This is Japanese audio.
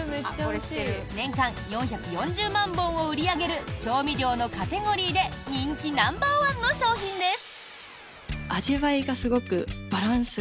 年間４４０万本を売り上げる調味料のカテゴリーで人気ナンバーワンの商品です。